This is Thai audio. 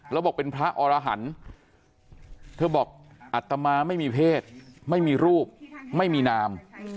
แล้วบอกเป็นพระอรหันธ์เธอบอกอัตมาไม่มีเพศไม่มีรูปไม่มีนาม